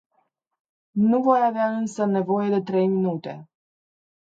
Nu voi avea însă nevoie de trei minute.